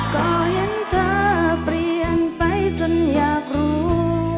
ก็เห็นเธอเปลี่ยนไปจนอยากรู้